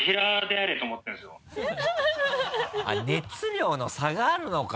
あっ熱量の差があるのか。